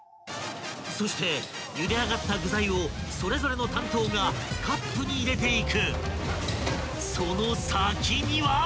［そしてゆで上がった具材をそれぞれの担当がカップに入れていく］